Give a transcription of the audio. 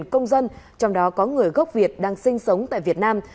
một công dân trong đó có người gốc việt đang sinh sống tại việt nam